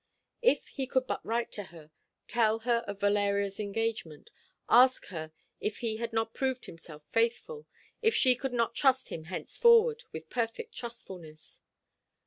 If he could but write to her, tell her of Valeria's engagement, ask her if he had not proved himself faithful, if she could not trust him henceforward with perfect trustfulness!